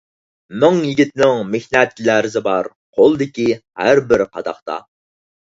مىڭ يىگىتنىڭ مېھنەت لەرزى بار، قولىدىكى ھەربىر قاداقتا.